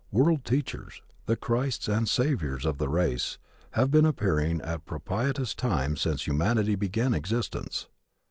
World Teachers, the Christs and saviours of the race, have been appearing at propitious times since humanity began existence.